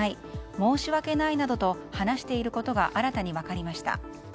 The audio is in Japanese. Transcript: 申し訳ないなどと話していることが新たに分かりました。